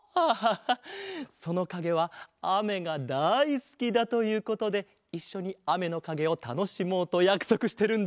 そのかげはあめがだいすきだということでいっしょにあめのかげをたのしもうとやくそくしてるんだ。